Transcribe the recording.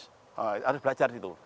harus belajar itu